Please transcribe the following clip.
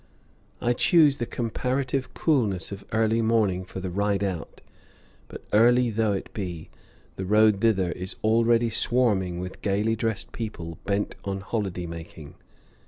I choose the comparative coolness of early morning for the ride out; but early though it be, the road thither is already swarming with gayly dressed people bent on holiday making.